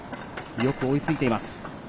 よく追いついています。